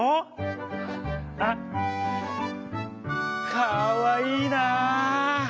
かわいいなあ。